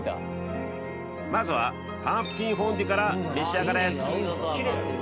まずはパンプキンフォンデュから召し上がれ！